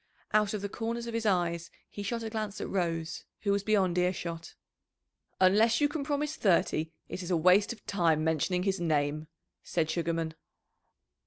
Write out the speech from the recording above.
Out of the corners of his eyes he shot a glance at Rose, who was beyond earshot. "Unless you can promise thirty it is waste of time mentioning his name," said Sugarman.